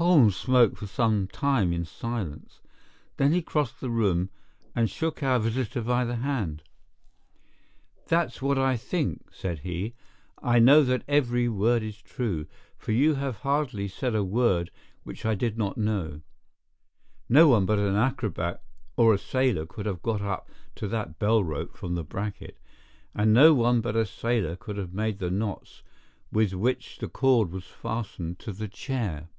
Holmes smoked for some time in silence. Then he crossed the room, and shook our visitor by the hand. "That's what I think," said he. "I know that every word is true, for you have hardly said a word which I did not know. No one but an acrobat or a sailor could have got up to that bell rope from the bracket, and no one but a sailor could have made the knots with which the cord was fastened to the chair.